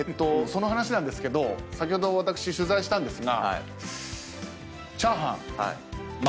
その話なんですけど先ほど私取材したんですがチャーハン。